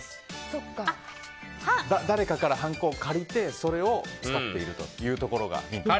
誰かからはんこを借りてそれを使っているというところがヒントです。